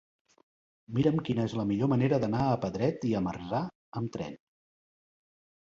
Mira'm quina és la millor manera d'anar a Pedret i Marzà amb tren.